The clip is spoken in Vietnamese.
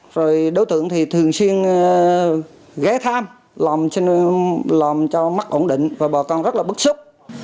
rồi đối tượng thì thường xuyên ghé thăm làm cho mắt ổn định và bỏ con rất là bức xúc